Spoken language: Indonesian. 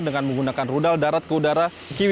dengan menggunakan rudal darat ke udara kw tiga bf dua